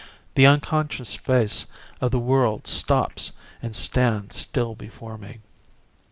The unconscious face of the world stops and stands still before me.